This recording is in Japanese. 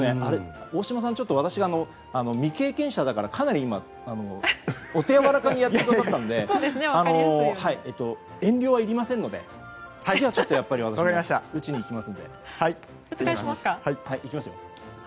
大島さん、私がちょっと未経験者だからお手柔らかにやってくださったので遠慮はいりませんので次はちょっと打ちにいきます。